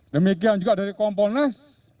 demikian juga dari kompolnas